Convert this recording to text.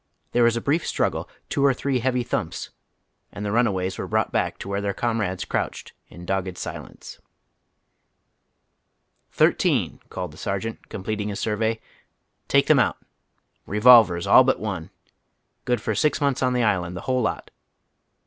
There was a brief struggle, two or three heavy thumps, and tlie runaways were brought hack to where their comrades crouched in dogged silence. "Thirteen !" called the sergeant, completing his survey. " Take tliem out. ' Eevolvers ' all but one. Good for six months on the island, the whole lot."